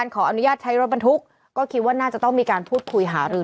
เป็นทุกคลิปก็คิดว่าน่าจะต้องมีการพูดคุยหารือ